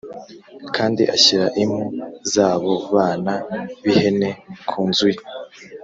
Kandi ashyira impu z abo bana b ihene kunzu ye